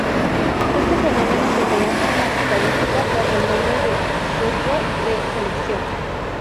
Este fenómeno se conoce en las estadísticas bajo el nombre de sesgo de selección.